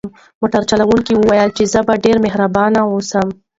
موټر چلونکي وویل چې زه باید ډېر مهربان واوسم.